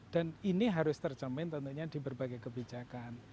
dan ini harus tercermin tentunya di berbagai kebijakan